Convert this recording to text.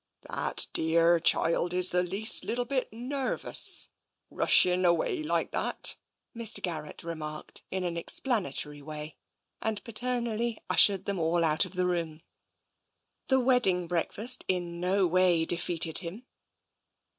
" That dearr child is the least little bit nervous, 2i6 TENSION rushing away like that/' Mr. Garrett remarked in an explanatory way, and paternally ushered them all out of the room. The wedding breakfast in no way defeated him.